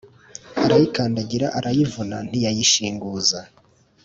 arayikandagira arayivuna ntiyayishinguza;